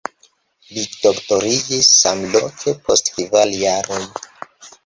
Li doktoriĝis samloke post kvar jaroj.